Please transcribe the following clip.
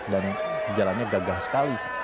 dan jalannya gagah sekali